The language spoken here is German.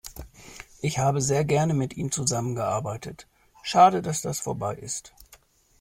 Ich habe sehr gerne mit ihm zusammen gearbeitet. Schade, dass das vorbei ist.